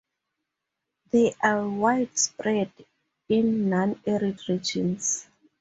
They are widespread in non-arid regions.